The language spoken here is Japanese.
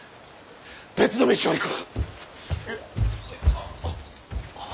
別の道を行く。